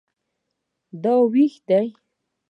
دا واښه ده